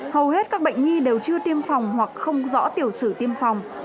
hầu hết các bệnh nhi đều chưa tiêm phòng hoặc không rõ tiểu sử tiêm phòng